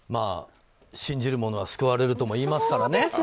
信じる者は救われるともいいますからね。